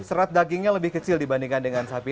serat dagingnya lebih kecil dibandingkan dengan sapi